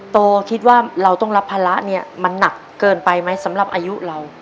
คิดว่าเราต้องรับภาระเนี่ยมันหนักเกินไปไหมสำหรับอายุเรา